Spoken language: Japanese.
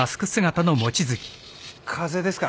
風邪ですか？